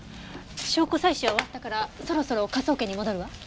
証拠採取は終わったからそろそろ科捜研に戻るわ。